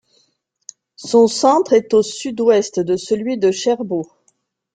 Son centre est à au sud-ouest de celui de Cherbourg.